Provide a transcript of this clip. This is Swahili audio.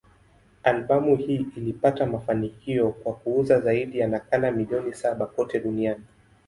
Albamu hii ilipata mafanikio kwa kuuza zaidi ya nakala milioni saba kote duniani.